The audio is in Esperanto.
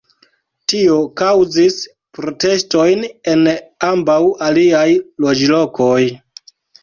Tio kaŭzis protestojn en ambaŭ aliaj loĝlokoj.